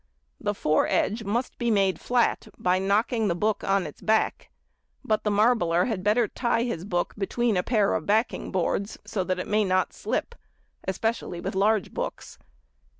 The foredge must be made flat by knocking the book on its back, but the marbler had better tie his book between a pair of backing boards, so that it may not slip, especially with large books.